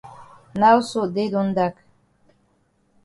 Now so day don dak.